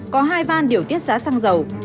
có hai van điều tiết giá xăng dầu